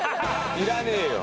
いらねえよ。